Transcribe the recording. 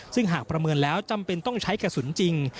ซึ่งหากประเมินแล้วจำเป็นต้องใช้กระสุนจริง